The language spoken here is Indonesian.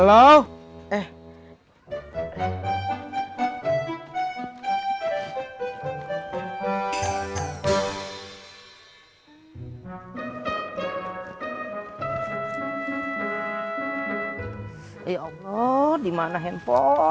tapi kalau tidak pengguna saya akan minta maaf